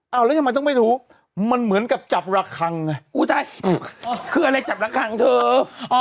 เอาแล้วมันต้องไปถูมันเหมือนกับจับระคังไงคืออะไรจับระคังเถอะอ๋อ